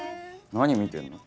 何見てんの？